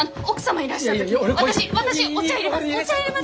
私私お茶いれます。